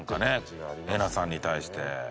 えなさんに対して。